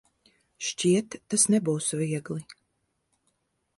Šķiet, tas nebūs viegli.